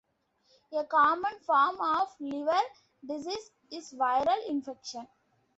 A common form of liver disease is viral infection.